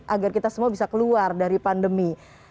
agar kita semua bisa keluar dari pandemi